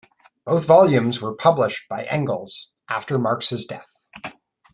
Both volumes were published by Engels after Marx's death.